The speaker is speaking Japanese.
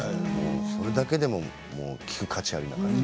それだけでも聴く価値があります。